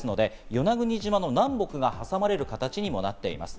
与那国島の南北が挟まれる形にもなっています。